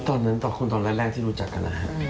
ตอนนั้นตอนแรกที่รู้จักกันนะฮะ